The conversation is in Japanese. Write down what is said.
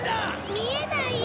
見えないよ！